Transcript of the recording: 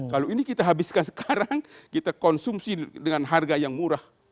kalau ini kita habiskan sekarang kita konsumsi dengan harga yang murah